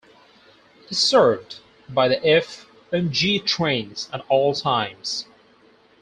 It is served by the F and G trains at all times.